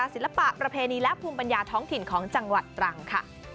ศิลปะประเพณีและภูมิปัญญาท้องถิ่นของจังหวัดตรังค่ะ